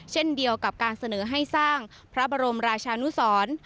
เช่นเดียวกับการเสนอให้สร้างพระบรมราชานุสร